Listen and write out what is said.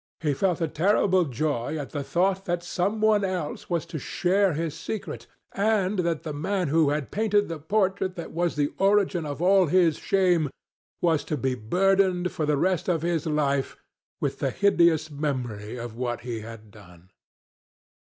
He felt a terrible joy at the thought that some one else was to share his secret, and that the man who had painted the portrait that was the origin of all his shame was to be burdened for the rest of his life with the hideous memory of what he had done.